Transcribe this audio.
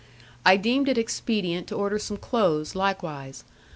I deemed it expedient to order some clothes likewise.